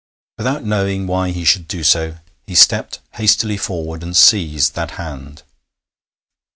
Without knowing why he should do so, he stepped hastily forward and seized that hand.